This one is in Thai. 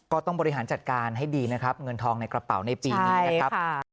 ก็ต้องบริหารจัดการให้ดีนะครับเงินทองในกระเป๋าในปีนี้นะครับ